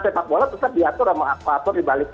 sepak bola tetap diatur sama akvator di balik